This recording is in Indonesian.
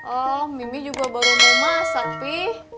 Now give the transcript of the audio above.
oh mimih juga baru mau masak pi